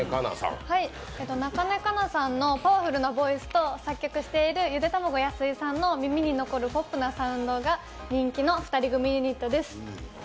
かなさんのパワフルなボイスと作曲しているゆでたまご安井さんのポップなサウンドが人気の２人組ユニットです。